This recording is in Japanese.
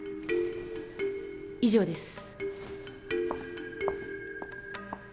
以上です。